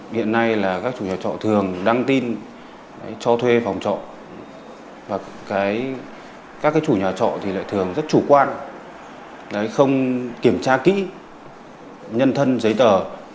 hiện nay là các chủ nhà trọ thường đăng tin cho thuê phòng trọ và các chủ nhà trọ thì lại thường rất chủ quan không kiểm tra kỹ nhân thân giấy tờ